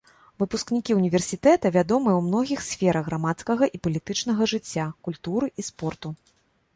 Выпускнікі ўніверсітэта вядомыя ў многіх сферах грамадскага і палітычнага жыцця, культуры і спорту.